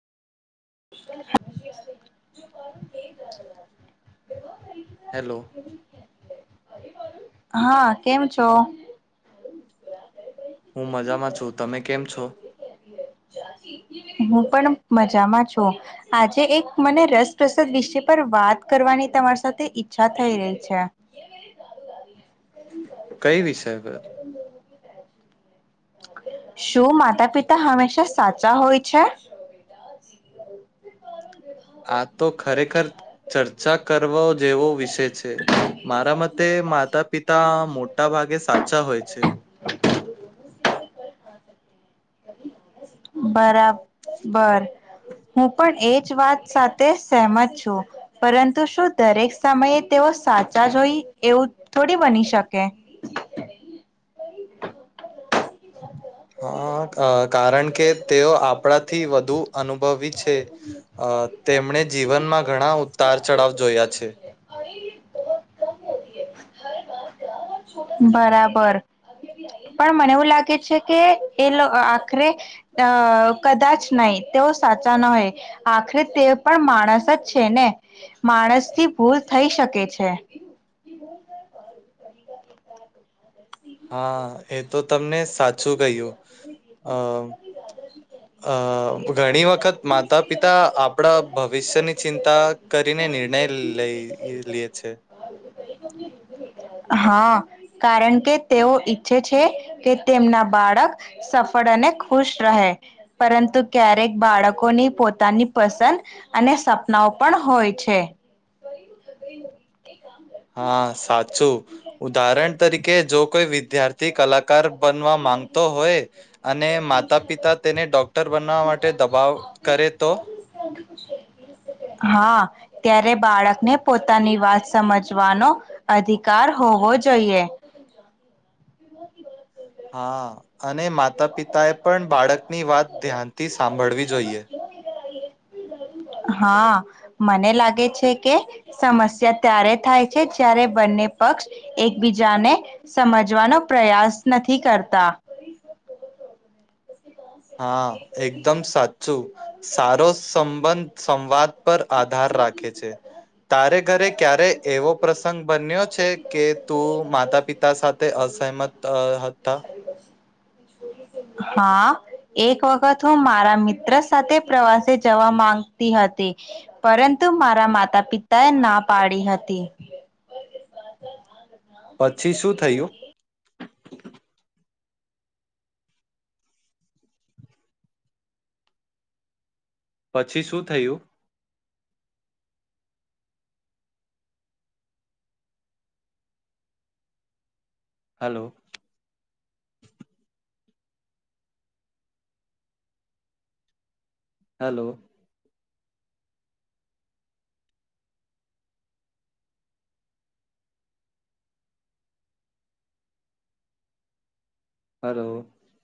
[inaudible] Hello. હા કેમ છો? હું મજામાં છું. તમે કેમ છો? હું પણ મજામાં છો આજે એક મને રસપ્રસાદ વિષ પર વાત કરવાની તમારી સાથે ઈચ્છા થઈ રહી છે. કઈ વિષયે પર? શું માતા પિતા હંમેશા સાચા હોય છે? આ તો ખરેખર ચર્ચા કરવો જેવો વિષય છે, મારા મતે માતા પિતા મોટા ભાગે સાચા હોય છે. બરા બર હું પણ એજ વાત સાચ તે સહમત છું પરંતુ શું દરેક સમયે તેઓ સાચા જોઈ એવું થોડી બની શકે? હા કારણ કે તેઓ આપણાથી વધુ અનુભવી છે, તેમણે જીવનમાં ઘણા ઉતાર ચઢાવ જોયા છે. બરાબર પણ મને એવું લાગે છે, કે એ આખરે અ કદાચ નહી. તેઓ સાચા ન હોય આખરે તે પણ માણસ જ છે, ને માણસ થી ભૂલ થઈ શકે છે. હા એ તો તમને સાચ શું કહય્યું અ અ ઘણી વખત માતા પિતા આપડા ભગવાન વિશ્વા ની ચિંતા કરીને નિર્ણય લઈ લે છે. હા કારણ કે તેઓ ઈચ્છે છે કે તેમના બાળક સફળ અને ખુશ રહે પરંતુ ક્યારેક બાળકોની પોતાની પસંદ અને સપનાઓ પણ હોય છે. હા સાચું. છું ઉદાહરણ તરીકે જો કોઈ વિદ્યાર્થી થી કલાકાર બનવા માંગતો હોય અને માતા પિતા તેને ડોક્ટર બનવા માટે દબાવ કરે તો? હા ત્યારે બાળકને પોતાની વાત સમજવાનો અધિકાર હોવો જોઈએ. હા અને માતા પિતાએ પણ બાળકની વાત ધ્યાનથી સાંભળવી જોઈએ. હા મને લાગે છે કે સમસ્યા ત્યારે થાય છે, જ્યારે બંને પક્ષ એકબીજાને સમજવાનો પ્રયાસ નથી કરતા. હા. એકદમ સાચું સારો સંબંધ સંવાદ પર આધાર રાખે છે. તારે ઘરે ક્યારે એવો પ્રસંગ બન્યો છે કે તું માતા પિતા સાથે અસહમત હતા? હા એક વખત હું મારા મિત્ર સાથે પ્રવાસે જવા માંગતી હતી, પરંતુ મારા માતા પિતાએ ના પાડી હતી. પછી શું થયું? પછી શું થયું? હલો! હલો! હલો!